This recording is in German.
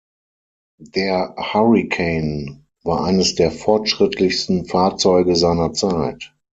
Der Hurricane war eines der fortschrittlichsten Fahrzeuge seiner Zeit.